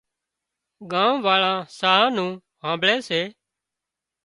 ڳام واۯان ساهَه نُون هانمڀۯي سي